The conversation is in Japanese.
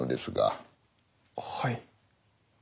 はい。